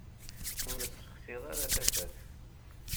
Ur ssexsiɣ ara tafat.